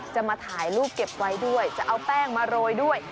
จะมาถ่ายรูปเก็บไว้ด้วยจะเอาแป้งมาโรยด้วย